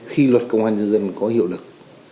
khi luật công an dân dân có hiệu lực